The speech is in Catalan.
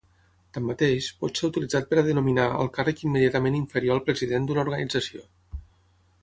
Tanmateix, pot ser utilitzat per denominar al càrrec immediatament inferior al president d'una organització.